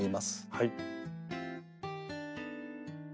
はい。